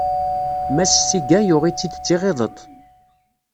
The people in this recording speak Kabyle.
Mass Seguin yuɣ-itt-id d tiɣideṭ.